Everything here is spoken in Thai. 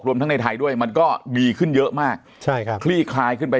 ทั้งในไทยด้วยมันก็ดีขึ้นเยอะมากใช่ครับคลี่คลายขึ้นไป